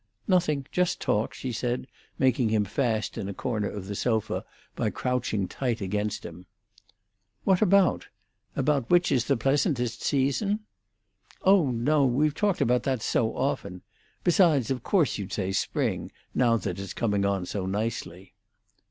"Nothing. Just talk," she said, making him fast in a corner of the sofa by crouching tight against him. "What about? About which is the pleasantest season?" "Oh no; we've talked about that so often. Besides, of course you'd say spring, now that it's coming on so nicely."